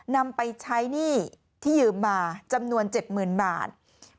นำไปใช้หนี้ที่ยืมมาจำนวน๗๐๐๐บาท